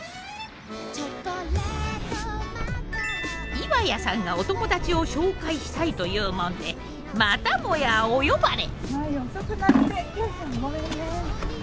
岩谷さんがお友達を紹介したいというもんでまたもやお呼ばれ！